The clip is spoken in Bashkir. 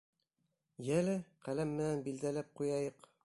— Йәле, ҡәләм менән билдәләп ҡуяйыҡ.